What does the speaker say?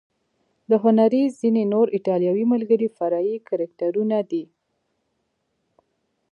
د هنري ځینې نور ایټالوي ملګري فرعي کرکټرونه دي.